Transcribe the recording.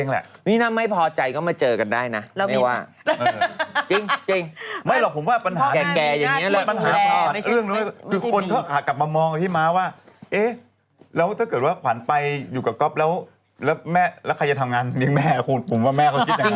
แล้วใครจะทำงานผมว่าแม่ก็กินอย่างนั้น